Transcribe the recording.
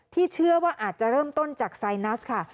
เชื่อว่าอาจจะเริ่มต้นจากไซนัสค่ะ